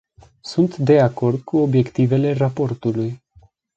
Sunt de acord cu obiectivele raportului.